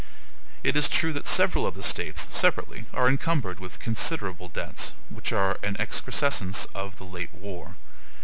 It is true that several of the States, separately, are encumbered with considerable debts, which are an excrescence of the late war.